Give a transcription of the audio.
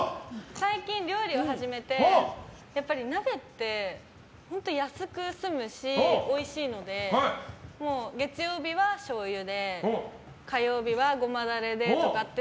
最近、料理を初めてやっぱり鍋って本当に安く済むし、おいしいので月曜日はしょうゆで火曜日はゴマダレでとかって。